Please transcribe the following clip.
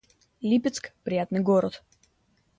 Липецк — приятный город